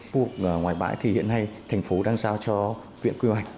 khu vực ngoài bãi thì hiện nay thành phố đang giao cho viện quy hoạch